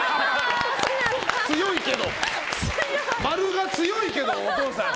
○が強いけど、お父さん。